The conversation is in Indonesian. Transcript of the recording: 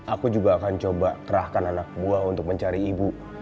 aku juga akan coba kerahkan anak buah untuk mencari ibu